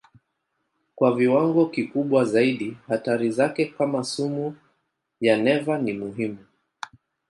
Kwa viwango kikubwa zaidi hatari zake kama sumu ya neva ni muhimu.